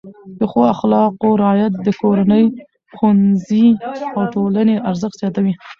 د ښو اخلاقو رعایت د کورنۍ، ښوونځي او ټولنې ارزښت زیاتوي.